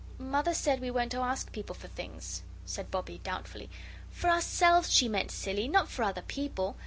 "Mother said we weren't to ask people for things," said Bobbie, doubtfully. "For ourselves, she meant, silly, not for other people.